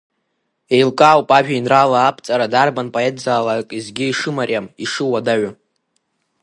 Еилкаауп ажәеинраала аԥҵара дарбан поетзаалак изгьы ишымариам, ишыуадаҩу.